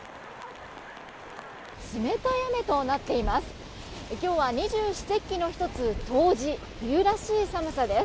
冷たい雨となっています。